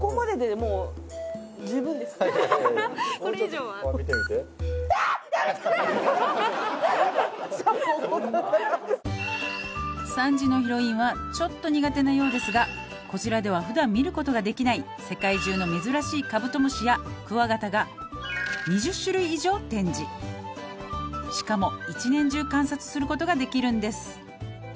これ以上は見てみて「３時のヒロインはちょっと苦手なようですが」「こちらでは普段見ることができない」「世界中の珍しいカブトムシやクワガタが」「２０種類以上展示」「しかも一年中観察することができるんです」